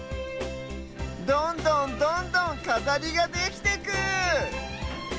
どんどんどんどんかざりができてく！